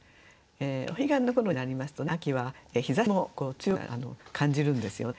お彼岸の頃になりますとね秋は日ざしも強く感じるんですよね。